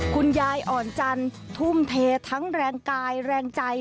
คุณยายอ่อนจันทร์ทุ่มเททั้งแรงกายแรงใจ